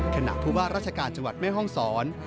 ขณะผู้ว่ารัชกาลจังหวัดแม่ฮ่องศร